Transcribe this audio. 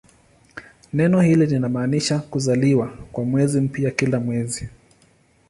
Neno hilo linamaanisha "kuzaliwa" kwa mwezi mpya kila mwezi.